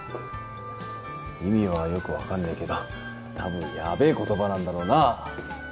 意味はよくわかんねえけどたぶんヤベえ言葉なんだろうなぁ！